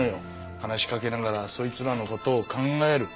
話しかけながらそいつらの事を考える。